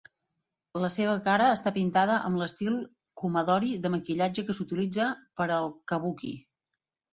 La seva cara està pintada amb l'estil "kumadori" de maquillatge que s'utilitza per al kabuki.